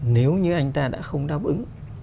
nếu như anh ta đã không đáp ứng